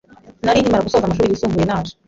nari nkimara gusoza amashuri yisumbuye naje